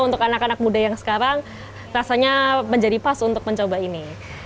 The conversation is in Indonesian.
untuk anak anak muda yang sekarang rasanya menjadi pas untuk mencoba ini